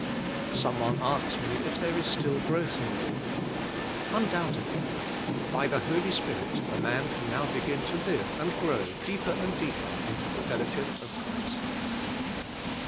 Some one asks me if there is still growth needed. Undoubtedly. By the Holy Spirit a man can now begin to live and grow, deeper and deeper, into the fellowship of Christ's death.